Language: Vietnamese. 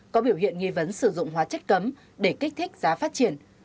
có biểu hiện nghi vấn sử dụng hóa chất cấm để kích thích giá phát triển